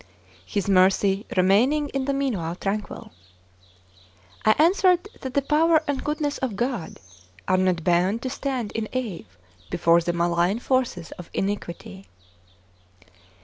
His mercy, remaining in the meanwhile tranquil. I answered that the power and goodness of God are not bound to stand in awe before the malign forces of iniquity.